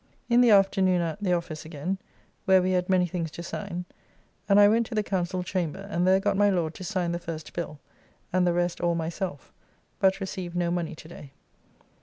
In the afternoon at, the office again, where we had many things to sign; and I went to the Council Chamber, and there got my Lord to sign the first bill, and the rest all myself; but received no money today.